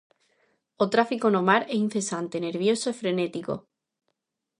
O tráfico no mar é incensante, nervioso e frenético.